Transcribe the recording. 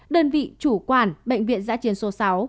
đơn vị chủ quản bệnh viện giã chiến số sáu